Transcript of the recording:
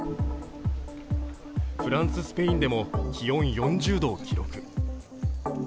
フランス、スペインでも気温４０度を記録。